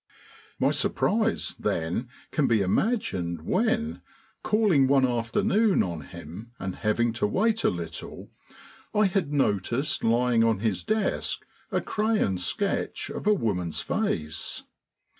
My surprise, then, can be imagined when, calling one afternoon on him and having to wait a little, I had noticed lying on his desk a crayon sketch of a woman's face.